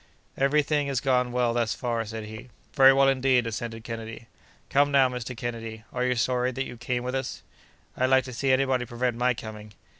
"Every thing has gone well thus far," said he. "Very well indeed!" assented Kennedy. "Come, now, Mr. Kennedy, are you sorry that you came with us?" "I'd like to see anybody prevent my coming!"